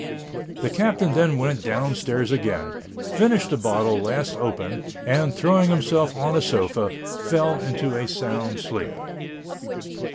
The Captain then went down stairs again, finished the bottle last opened, and, throwing himself on a sofa, fell into a sound sleep.